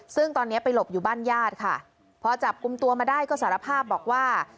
ซึ่งตอนนี้ไปหลบอยู่บ้านญาติค่ะพอจับกลุ่มตัวมาได้ก็สารภาพบอกว่า